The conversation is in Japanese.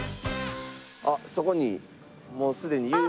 あっそこにもうすでに有名な。